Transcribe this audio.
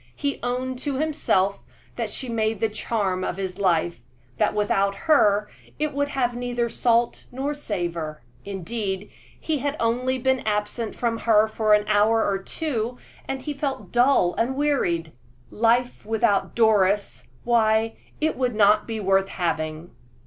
He owned to himself that she made the charm of his life that without her it would have neither salt nor savor. Indeed, he had only been absent from her an hour or two, and he felt dull and wearied. Life without Doris why it would not be worth having!